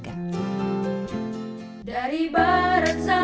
jiaran thatcher juga berpar medieval dis takut bahwa era awal ud hagang spesifik ya